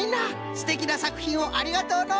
すてきなさくひんをありがとうのう。